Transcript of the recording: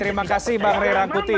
terima kasih bang ray rangkuti